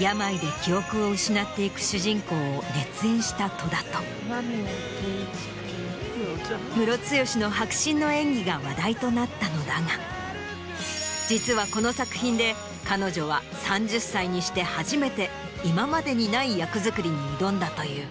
病で記憶を失っていく主人公を熱演した戸田とムロツヨシの迫真の演技が話題となったのだが実はこの作品で彼女は３０歳にして初めて今までにない役作りに挑んだという。